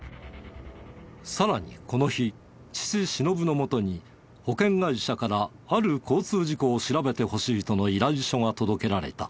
さらにこの日父忍のもとに保険会社からある交通事故を調べてほしいとの依頼書が届けられた。